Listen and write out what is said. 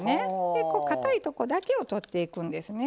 でかたいとこだけを取っていくんですね。